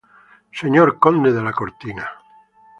Sr. Conde de la Cortina.